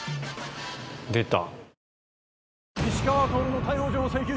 出た。